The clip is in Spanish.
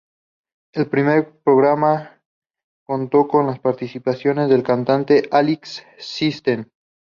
El primer programa contó con la participación del cantante Aleks Syntek.